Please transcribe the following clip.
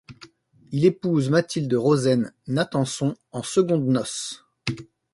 Il épouse Mathilde Rosen Natanson en secondes noces.